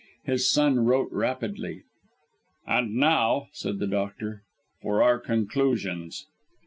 His son wrote rapidly. "And now," said the doctor, "for our conclusions.